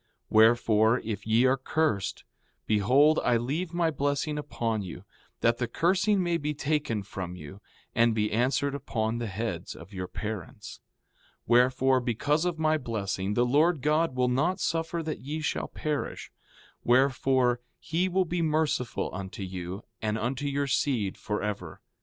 4:6 Wherefore, if ye are cursed, behold, I leave my blessing upon you, that the cursing may be taken from you and be answered upon the heads of your parents. 4:7 Wherefore, because of my blessing the Lord God will not suffer that ye shall perish; wherefore, he will be merciful unto you and unto your seed forever.